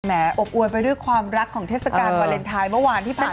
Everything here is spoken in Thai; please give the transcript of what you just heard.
หมอบอวนไปด้วยความรักของเทศกาลวาเลนไทยเมื่อวานที่ผ่านมา